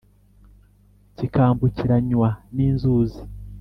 kikambukiranywa n’inzuzi,